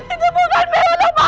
itu bukan bella ma